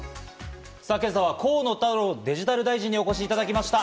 今朝は河野太郎デジタル大臣にお越しいただきました。